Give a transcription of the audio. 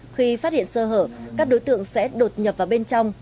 khi phát hiện sơ hở các đối tượng sẽ đột nhập vào bên trong